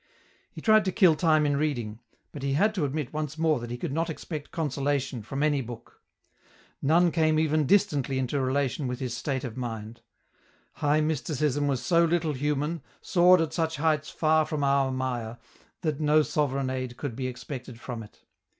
He tried to kill time in reading, but he had to admit once more that he could not expect consolation from any book. None came even distantly into relation with his state of mind. High Mysticism was so little human, soared at such heights far from our mire, that no sovereign aid could be expected from it.